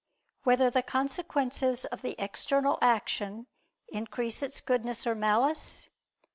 5] Whether the Consequences of the External Action Increase Its Goodness or Malice?